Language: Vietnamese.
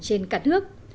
trên cả nước